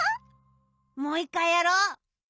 もう１かいやろう！